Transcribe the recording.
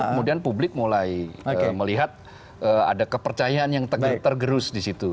kemudian publik mulai melihat ada kepercayaan yang tergerus di situ